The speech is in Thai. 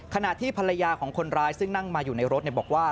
ขณะที่ภรรยาของคนร้ายซึ่งนั่งมาอยู่ในรถบอกว่า